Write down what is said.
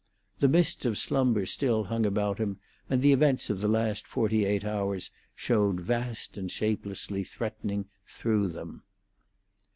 The mists of slumber still hung about him, and the events of the last forty eight hours showed vast and shapelessly threatening through them.